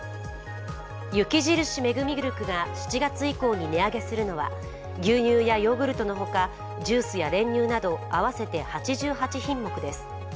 雪印メグミルクが７月以降に値上げするのは牛乳やヨーグルトのほかジュースや練乳など合わせて８８品目です。